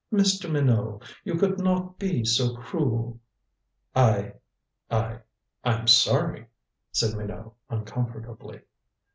Mr. Minot. You could not be so cruel." "I I I'm sorry," said Minot uncomfortably.